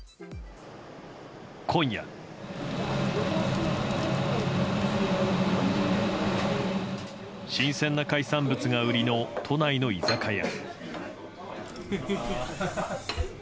今夜、新鮮な海産物が売りの都内の居酒屋。